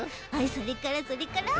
それからそれから。